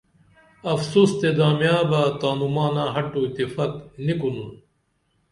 افسوس تے دامیاں بہ تانوں مانہ ہڈو اتفاق نی کُنُن